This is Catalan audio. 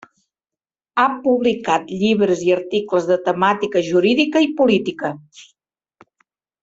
Ha publicat llibres i articles de temàtica jurídica i política.